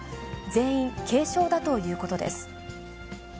全員軽症だということです。